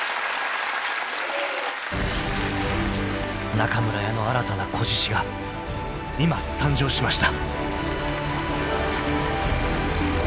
［中村屋の新たな仔獅子が今誕生しました］